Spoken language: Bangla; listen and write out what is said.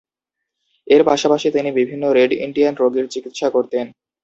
এর পাশাপাশি তিনি বিভিন্ন রেড ইন্ডিয়ান রোগীর চিকিৎসা করতেন।